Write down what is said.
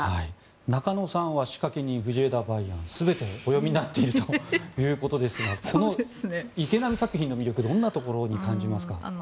中野さんは「仕掛け人・藤枝梅安」全てお読みになっているということですがこの池波作品の魅力どんなところに感じますか？